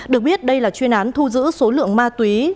được biết đây là chuyên án thu giữ số lượng ma túy